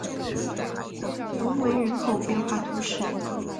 隆维人口变化图示